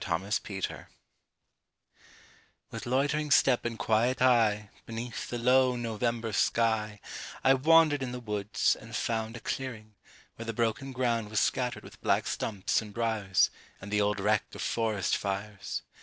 IN NOVEMBER With loitering step and quiet eye, Beneath the low November sky, I wandered in the woods, and found A clearing, where the broken ground Was scattered with black stumps and briers, And the old wreck of forest fires.